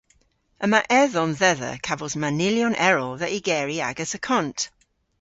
Yma edhom dhedha kavos manylyon erel dhe ygeri agas akont.